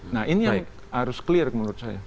nah ini yang harus clear menurut saya